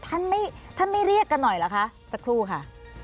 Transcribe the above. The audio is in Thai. ท่านไม่ท่านไม่เรียกกันหน่อยเหรอคะสักครู่ค่ะ